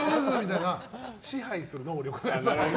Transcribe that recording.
支配する能力がある。